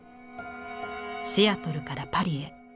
シアトルからパリへ。